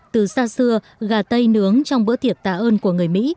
từ xa xưa gà tây nướng trong bữa tiệc tạ ơn của người mỹ